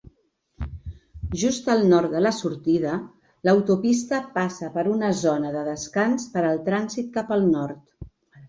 Just al nord de la sortida, l'autopista passa per una zona de descans per al trànsit cap al nord.